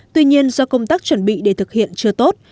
tuy nhiên do công tác chuẩn bị để thực hiện chưa tốt